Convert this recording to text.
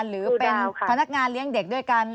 หรือเป็นพนักงานเลี้ยงเด็กด้วยกัน